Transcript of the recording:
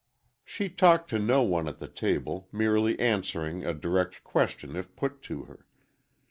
She talked to no one at the table, merely answering a direct question if put to her.